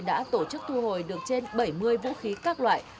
đã tổ chức thu hồi được trên bảy mươi vũ khí các loại